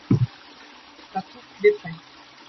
Ca prouve qu’il est prêt !